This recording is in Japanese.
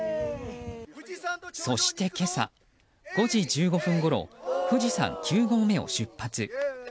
そして今朝５時１５分ごろ富士山９合目を出発。